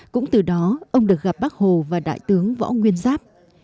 cũng từ đó ông được gặp bác hồ và đại tướng võ nguyên giáp